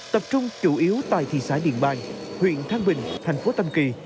tập trung chủ yếu tại thị xã điền bàng huyện thang bình thành phố tâm kỳ